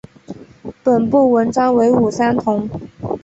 本部纹章为五三桐。